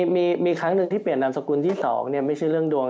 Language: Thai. มีครั้งหนึ่งที่เปลี่ยนนามสกุลที่๒ไม่ใช่เรื่องดวง